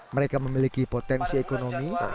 mereka memiliki potensi ekonomi yang sangat tinggi